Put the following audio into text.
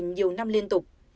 nhiều năm liên tục